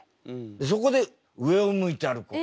そこで「上を向いて歩こう」。